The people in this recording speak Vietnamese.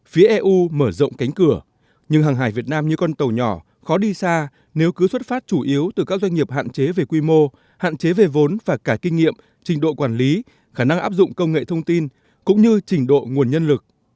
phía eu mở rộng cánh cửa nhưng hàng hải việt nam như con tàu nhỏ khó đi xa nếu cứ xuất phát chủ yếu từ các doanh nghiệp hạn chế về quy mô hạn chế về vốn và cả kinh nghiệm trình độ quản lý khả năng áp dụng công nghệ thông tin cũng như trình độ nguồn nhân lực